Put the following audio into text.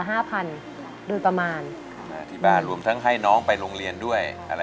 หนูคิดว่าการร้องได้จ่ายภายในบ้านเนี่ยค่ะ